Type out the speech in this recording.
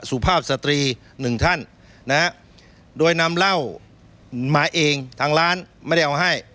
สุภาพสตรีหนึ่งท่านนะฮะโดยนำเหล้ามาเองทางร้านไม่ได้เอาให้